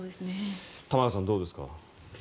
玉川さん、どうですか？